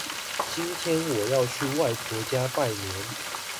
今天我要去外婆家拜年